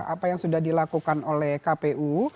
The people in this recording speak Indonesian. apa yang sudah dilakukan oleh kpu